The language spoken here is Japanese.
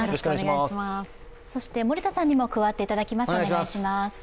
そして森田さんにも加わっていただきます。